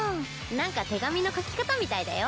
何か手紙の書き方みたいだよ